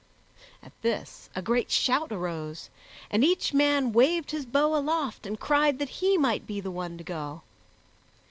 At this a great shout arose, and each man waved his bow aloft and cried that he might be the one to go.